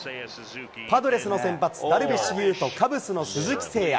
パドレスの先発、ダルビッシュ有とカブスの鈴木誠也。